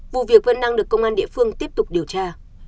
vụ việc vẫn đang được công an địa phương tiếp tục điều tra